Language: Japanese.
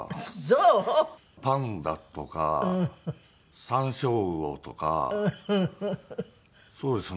パンダとかサンショウウオとかそうですね。